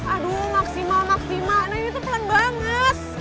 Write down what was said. aduh maksimal maksimal nah ini tuh pelan banget